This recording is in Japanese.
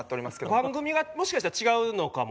番組がもしかしたら違うのかも。